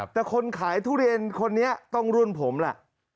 แต่คนขายทุเรียนคนนี้ต้องรุ่นผมแหละ